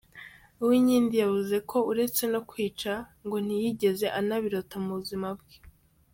Uwinkindi yavuze ko uretse no kwica, ngo ntiyigeze anabirota mu buzima bwe.